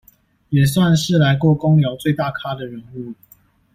也算是來過工寮最大咖的人物了